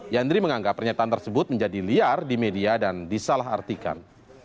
yandri menganggap pernyataan tersebut menjadi liar di media dan disalah artikan